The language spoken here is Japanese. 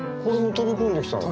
飛び込んできたの。